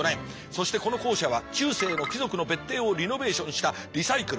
そしてこの校舎は中世の貴族の別邸をリノベーションしたリサイクル。